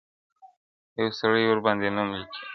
یوه سړي ورباندي نوم لیکلی-